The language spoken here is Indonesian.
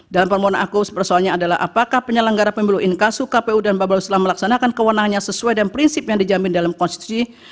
dan permohonan aku persoalnya adalah apakah penyelenggara pemilu inkasu kpu dan bawas telah melaksanakan kewenangannya sesuai dan prinsip yang dijamin dalam konstitusi